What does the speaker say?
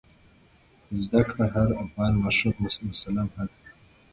زده کړه د هر افغان ماشوم مسلم حق دی.